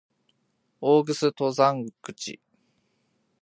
大楠登山口